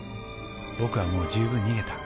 僕はもう十分逃げた。